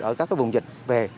ở các vùng dịch về